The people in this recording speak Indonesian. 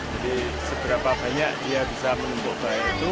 jadi seberapa banyak dia bisa menumbuk